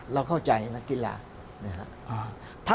เราเข้าใจนักกีฬา